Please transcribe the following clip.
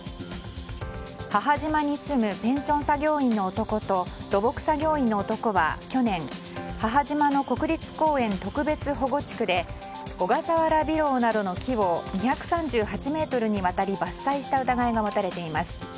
母島に住むペンション作業員の男と土木作業員の男は去年母島の特別保護地区でオガサワラビロウなどの木を２３８ｍにわたり伐採した疑いが持たれています。